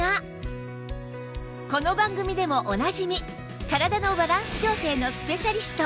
この番組でもおなじみ体のバランス調整のスペシャリスト